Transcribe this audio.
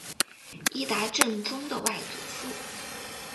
伊达政宗的外祖父。